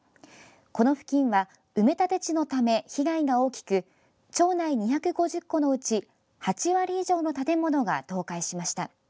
この付近は埋立地のため被害が大きく町内２５０戸のうち８割以上の建物が倒壊しました。